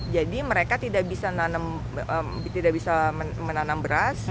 jadi mereka tidak bisa menanam beras